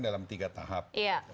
dalam tiga tahap